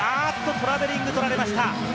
トラベリングを取られました。